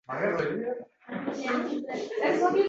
Hozir Qo‘shma Shtatlar dunyodagi eng qudratli davlat hisoblanadi